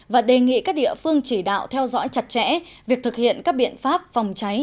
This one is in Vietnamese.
và đề nghị các địa phương chỉ đạo theo dõi chặt chẽ việc thực hiện các biện pháp phòng cháy